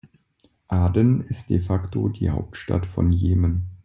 Aden ist de facto die Hauptstadt von Jemen.